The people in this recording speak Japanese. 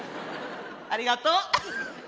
ありがとう。